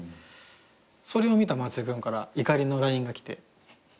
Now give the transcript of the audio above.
それを見た松居君から怒りのＬＩＮＥが来て。